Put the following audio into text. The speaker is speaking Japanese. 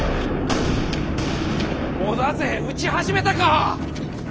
織田勢撃ち始めたか！